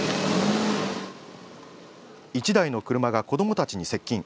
１台の車が子どもたちに接近。